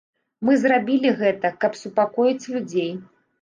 Мы зрабілі гэта, каб супакоіць людзей.